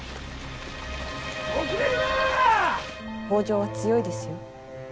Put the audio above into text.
北条は強いですよ。